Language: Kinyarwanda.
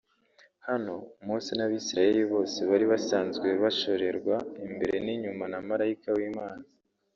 Hano Mose n'abisirayeli bose bari basanzwe bashorerwa imbere n'inyuma na malayika w'Imana